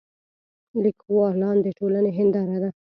لیکوالان د ټولنې هنداره ده.